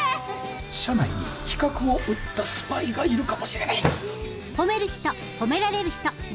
社内に企画を売ったスパイがいるかもしれない。